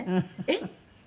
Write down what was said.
「えっ？